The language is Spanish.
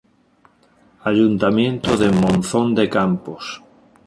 Ayuntamiento de Monzón de Campos.